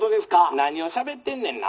「何をしゃべってんねんな。